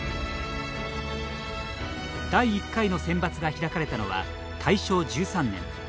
第１回のセンバツが開かれたのは大正１３年。